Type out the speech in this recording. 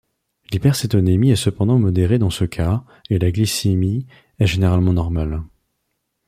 L'hypercétonémie est cependant modérée dans ce cas, et la glycémie est généralement normale.